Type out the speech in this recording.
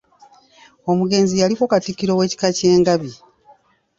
Omugenzi yaliko Katikkiro w’ekika ky’e Ngabi.